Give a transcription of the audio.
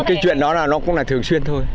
cái chuyện đó nó cũng là thường xuyên thôi